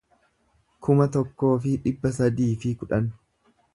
kuma tokkoo fi dhibba sadii fi kudhan